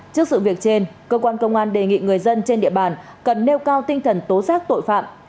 trước sự việc trên cơ quan công an đề nghị người dân trên địa bàn cần nêu cao tinh thần tố giác tội phạm